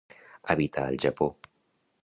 Habita al Japó.